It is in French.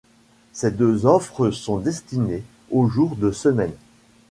Ces deux offres sont destinées aux jours de semaine.